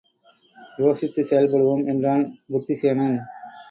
யோசித்துச் செயல்படுவோம் என்றான் புத்திசேனன்.